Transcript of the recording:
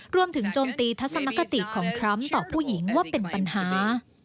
โจมตีทัศนคติของทรัมป์ต่อผู้หญิงว่าเป็นปัญหา